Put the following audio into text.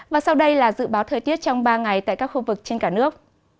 và sau đây là dự báo thời tiết trong ba ngày tại các khu vực trên cả nước